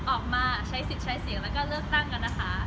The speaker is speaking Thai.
ออกมาใช้สิทธิ์ใช้เสียงแล้วก็เลือกตั้งกันนะคะ